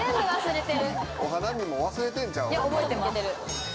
お花見も忘れてんちゃう？